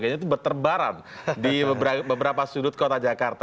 kayaknya itu berterbaran di beberapa sudut kota jakarta